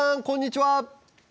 こんにちは。